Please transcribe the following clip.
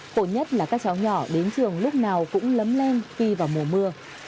khổ nhất là các cháu nhỏ đến trường lúc nào cũng lấm len phi vào mùa mưa